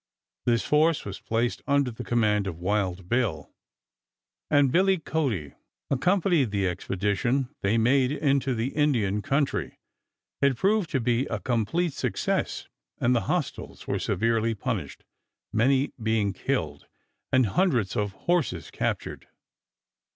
This force was placed under the command of Wild Bill, and Billy Cody accompanied the expedition they made into the Indian country. It proved to be a complete success and the hostiles were severely punished, many being killed and hundreds of horses captured.